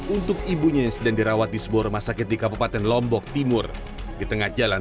untuk ibunya yang sedang dirawat di sebuah rumah sakit di kabupaten lombok timur di tengah jalan